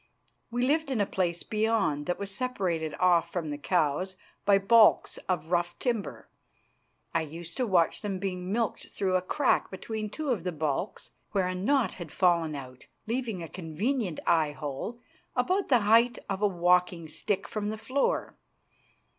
We lived in a place beyond, that was separated off from the cows by balks of rough timber. I used to watch them being milked through a crack between two of the balks where a knot had fallen out, leaving a convenient eyehole about the height of a walking stick from the floor.